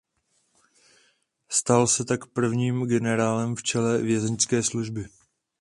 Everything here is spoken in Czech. Stal se tak prvním generálem v čele Vězeňské služby.